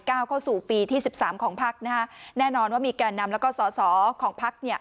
เข้าสู่ปีที่สิบสามของพักนะฮะแน่นอนว่ามีแก่นำแล้วก็สอสอของพักเนี่ย